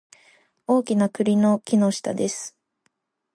大きな栗の木の下です